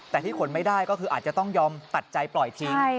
แต่ที่ขนไม่ได้ก็คืออาจจะต้องยอมตัดใจปล่อยทิ้ง